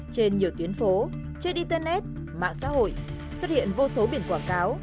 trên nhiều tuyến phố trên internet mạng xã hội xuất hiện vô số biển quảng cáo